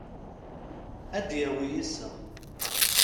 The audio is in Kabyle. Ad d-yawi iseɣ.